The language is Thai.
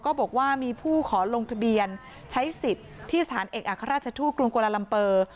ก็บอกว่ามีผู้ขอลงทะเบียนใช้สิทธิ์ที่สถานเอกอัครราชทูตกรุงโกลาลัมเปอร์